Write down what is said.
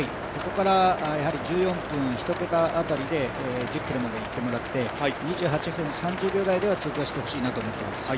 ここから１４分１桁辺りで１０ｋｍまで行ってもらって、２８分３０秒台では通過してほしいなと思います。